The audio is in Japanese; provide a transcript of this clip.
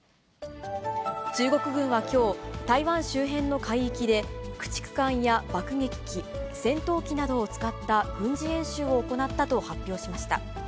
中国軍はきょう、台湾周辺の海域で、駆逐艦や爆撃機、戦闘機などを使った軍事演習を行ったと発表しました。